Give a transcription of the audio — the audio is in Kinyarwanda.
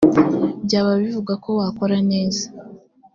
byaba bivuga ko wakora neza